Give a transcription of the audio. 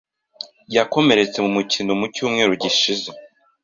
Yakomeretse mu mukino mu cyumweru gishize.